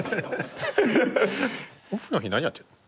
オフの日何やってんの？